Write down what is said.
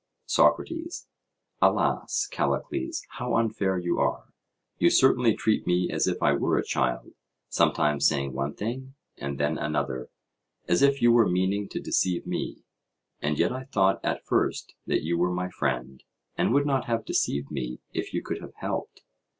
SOCRATES: Alas, Callicles, how unfair you are! you certainly treat me as if I were a child, sometimes saying one thing, and then another, as if you were meaning to deceive me. And yet I thought at first that you were my friend, and would not have deceived me if you could have helped.